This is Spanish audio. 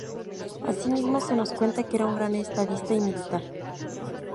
Así mismo, se nos cuenta que era un gran estadista y militar.